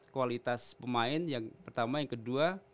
kualitas pemain yang pertama yang kedua